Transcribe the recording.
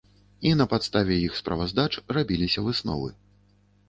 І на падставе іх справаздач рабіліся высновы.